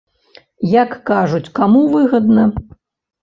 Як кажуць, каму выгадна?